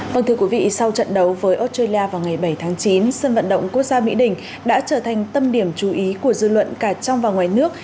vâng thưa quý vị sau trận đấu với australia vào ngày bảy tháng chín sân vận động quốc gia mỹ đình đã trở thành tâm điểm chú ý của dư luận cả trong và ngoài nước